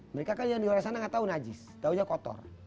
mereka kan yang di luar sana nggak tahu najis tahunya kotor